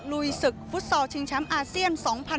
ลุยศึกฟุตซอลชิงแชมป์อาเซียน๒๐๑๖